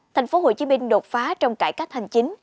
thành phố hồ chí minh đột phá trong cải cách hành chính